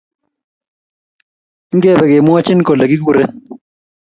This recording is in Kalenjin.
Ingepe kemwochin kole kikuren